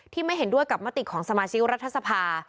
ไม่เห็นด้วยกับมติของสมาชิกรัฐสภา